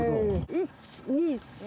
１・２・３！